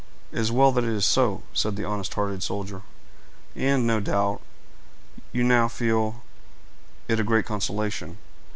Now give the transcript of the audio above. "It is well that it is so," said the honest hearted soldier, "and, no doubt, you now feel it a great consolation.